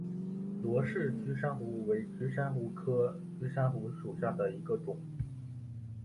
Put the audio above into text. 罗氏菊珊瑚为菊珊瑚科菊珊瑚属下的一个种。